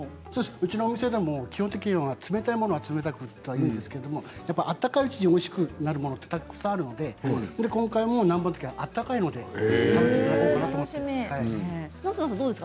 うちのお店でも基本的には冷たいものは冷たくなんですが温かいうちにおいしくなるものはたくさんあるので今回も南蛮漬け温かいもので食べていただきます。